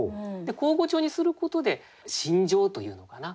口語調にすることで心情というのかな